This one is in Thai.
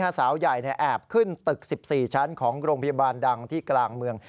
สาวใหญ่แอบขึ้นตึก๑๔ชั้นของโรงพยาบาลดังที่กลางเมือง